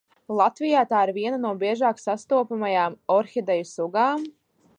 Latvijā tā ir viena no biežāk sastopamajām orhideju sugām.